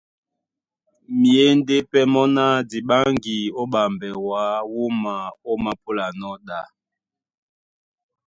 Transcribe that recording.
Myěndé pɛ́ mɔ́ ná :Di ɓáŋgi ó ɓambɛ wǎ wúma ómāpúlanɔ́ ɗá.